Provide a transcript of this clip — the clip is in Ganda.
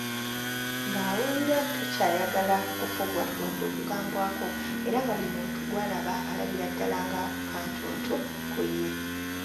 Ng'awulira takyayagala kufugwa wadde okugambwako era nga buli muntu gwalaba alabira ddala nga kantuntu ku ye.